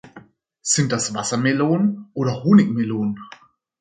Sind das Wassermelonen oder Honigmelonen?